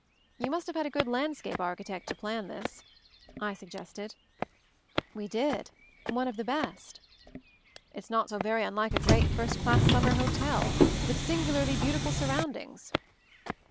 "You must have had a good landscape architect to plan this," I suggested. "We did— one of the best." "It's not so very unlike a great, first class summer hotel, with singularly beautiful sur roundings."